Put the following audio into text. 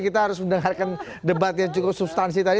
kita harus mendengarkan debat yang cukup substansi tadi